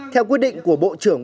theo quyết định của bộ trưởng